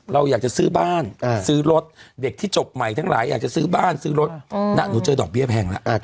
เราอยากจะซื้อบ้านซื้อรถเด็กที่จบใหม่ทั้งหลายอยากจะซื้อบ้านซื้อรถหนูเจอดอกเบี้ยแพงแล้ว